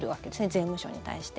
税務署に対して。